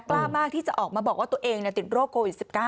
กล้ามากที่จะออกมาบอกว่าตัวเองติดโรคโควิด๑๙